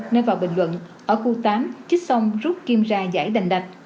nên vào bình luận ở khu tám chích xong rút kim ra giải đành